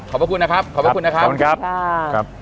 พระคุณนะครับขอบพระคุณนะครับขอบคุณครับค่ะครับ